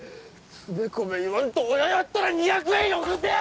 つべこべ言わんと親やったら２００円よこせ！